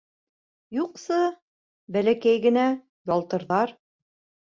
Юҡсы, бәләкәй генә, ялтырҙар.